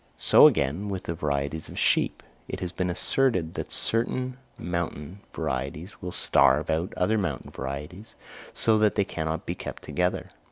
So again with the varieties of sheep: it has been asserted that certain mountain varieties will starve out other mountain varieties, so that they cannot be kept together.